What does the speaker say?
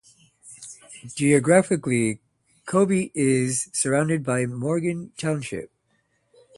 Geographically, Colby is surrounded by Morgan Township.